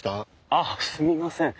あっすみません。